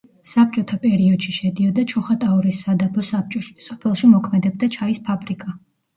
საბჭოთა პერიოდში შედიოდა ჩოხატაურის სადაბო საბჭოში, სოფელში მოქმედებდა ჩაის ფაბრიკა.